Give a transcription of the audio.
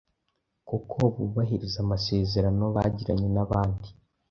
kuko bubahiriza amasezerano bagiranye n’abandi